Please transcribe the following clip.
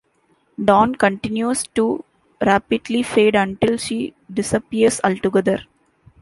Dawn continues to rapidly fade until she disappears altogether.